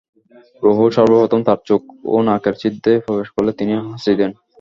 রূহ্ সর্বপ্রথম তাঁর চোখ ও নাকের ছিদ্রে প্রবেশ করলে তিনি হাঁচি দেন।